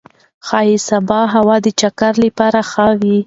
ښايي سبا هوا د چکر لپاره ښه وي.